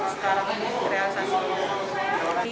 sekarang ini kereasasinya